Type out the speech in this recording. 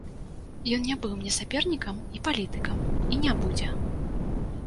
Ён не быў мне сапернікам і палітыкам, і не будзе.